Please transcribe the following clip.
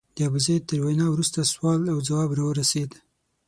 د ابوزید تر وینا وروسته سوال او ځواب راورسېد.